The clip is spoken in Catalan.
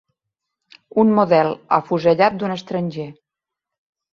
Un model afusellat d'un d'estranger.